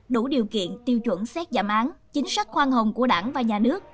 đủ điều kiện tiêu chuẩn xét giảm án chính sách khoan hồng của đảng và nhà nước